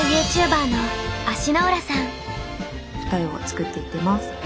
二重を作っていってます。